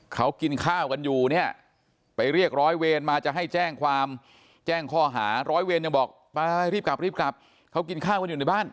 เขากินข้าวกันอยู่เนี่ยไปเรียกร้อยเวรมาจะให้แจ้งความแจ้งข้อหาร้อยเวรยังบอกไปรีบกลับรีบกลับเขากินข้าวกันอยู่ในบ้าน